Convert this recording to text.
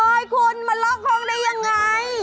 คุณมาล็อกห้องได้ยังไง